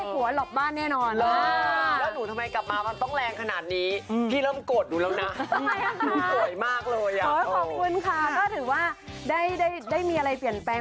ขอบคุณค่ะก็ถือว่าได้มีอะไรเปลี่ยนแปลง